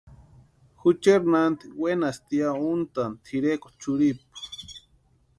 Jucheri nanti wenasti ya untani tʼirekwa churhipu.